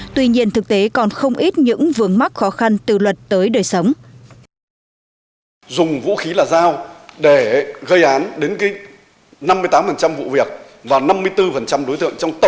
tuy nhiên thực tế còn không ít những vướng mắc khó khăn từ luật tới đời sống